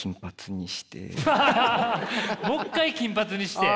もう一回金髪にして？